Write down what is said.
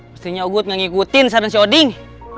pastinya udut gak ngikutin saran si uding